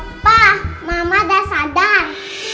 papa mama udah sadar